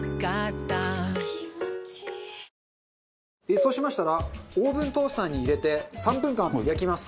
そうしましたらオーブントースターに入れて３分間焼きます。